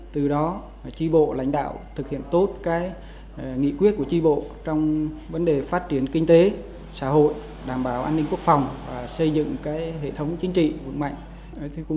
từ đó tri bộ lãnh đạo thực hiện tốt nghị quyết của tri bộ trong vấn đề phát triển kinh tế xã hội đảm bảo an ninh quốc phòng và xây dựng hệ thống chính trị vững mạnh